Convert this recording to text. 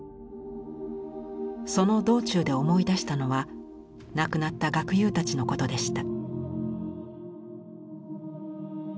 その道中で思い出したのは亡くなった学友たちのことでした。